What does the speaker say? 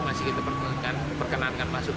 masih kita perkenankan masuk